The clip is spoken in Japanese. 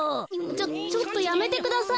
ちょっとやめてください。